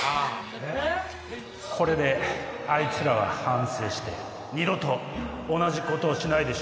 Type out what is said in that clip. これであいつらは反省して二度と同じことをしないでしょう。